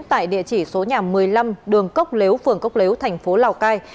tại địa chỉ số nhà một mươi năm đường cốc lếu phường cốc lếu thành phố lào cai